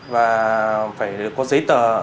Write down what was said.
và phải có giấy tờ